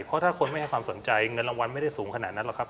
เพราะถ้าคนไม่ให้ความสนใจเงินรางวัลไม่ได้สูงขนาดนั้นหรอกครับ